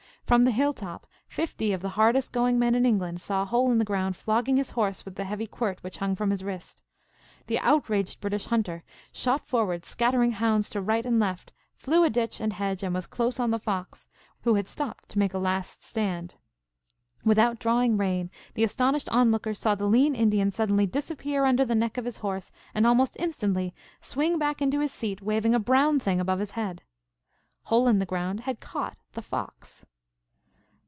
From the hill top fifty of the hardest going men in England saw Hole in the Ground flogging his horse with the heavy quirt which hung from his wrist. The outraged British hunter shot forward scattering hounds to right and left, flew a ditch and hedge and was close on the fox, who had stopped to make a last stand. Without drawing rein, the astonished onlookers saw the lean Indian suddenly disappear under the neck of his horse and almost instantly swing back into his seat waving a brown thing above his head. Hole in the Ground had caught the fox.